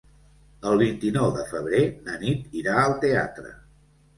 El vint-i-nou de febrer na Nit irà al teatre.